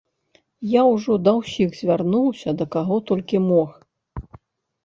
Я ўжо да ўсіх звярнуўся, да каго толькі мог.